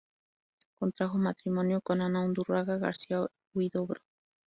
Contrajo matrimonio con Ana Undurraga García-Huidobro.